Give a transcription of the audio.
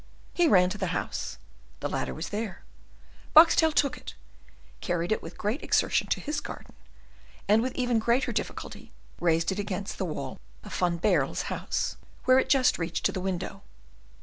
He ran to the house: the ladder was there. Boxtel took it, carried it with great exertion to his garden, and with even greater difficulty raised it against the wall of Van Baerle's house, where it just reached to the window.